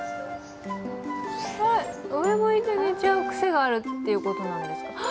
上向いて寝ちゃうくせがあるってことなんですか？